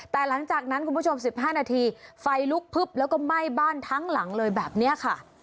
แต่หลังจากนั้นคุณผู้ชม๑๕นาทีไฟลุกพึบแล้วก็ไหม้บ้านทั้งหลังเลยแบบนี้ค่ะ